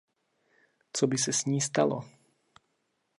Co by se s ní stalo?